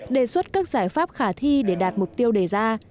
đề xuất các giải pháp khả thi để đạt mục tiêu đề ra